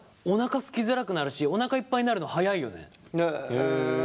おなかすきづらくなるしおなかいっぱいになるの早いよね。